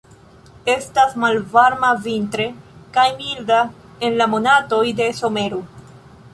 Estas malvarma vintre kaj milda en la monatoj de somero.